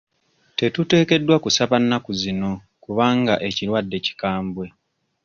Tetuteekeddwa kusaba ennaku zino kubanga ekirwadde kikambwe.